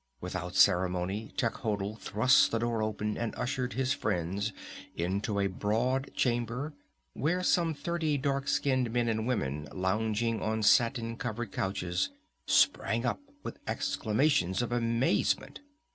Without ceremony Techotl thrust the door open and ushered his friends into a broad chamber, where some thirty dark skinned men and women lounging on satin covered couches sprang up with exclamations of amazement.